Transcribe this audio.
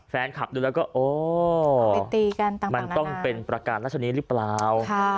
แฟนคลับดูแล้วก็โอ้ไปตีกันตั้งปังนานามันต้องเป็นประการราชนิดหรือเปล่าค่ะ